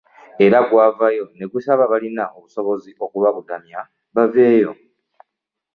Era gwavaayo ne gusaba abalina obusobozi okubabudamya baveeyo